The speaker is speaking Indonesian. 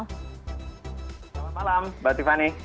selamat malam mbak tiffany